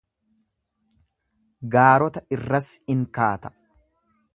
gaarota irras in kaata